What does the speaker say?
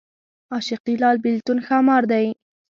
عاشقي لال بېلتون ښامار دی